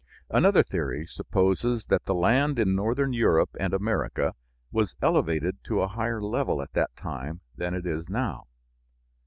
Another theory supposes that the land in northern Europe and America was elevated to a higher level at that time than it is now.